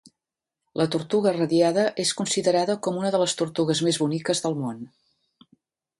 La tortuga radiada és considerada com una de les tortugues més boniques del món.